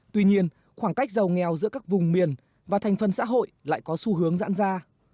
tuy nhiên khoảng cách giàu nghèo giữa các vùng miền và thành phần xã hội lại có xu hướng dãn ra